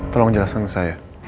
tolong jelasin ke saya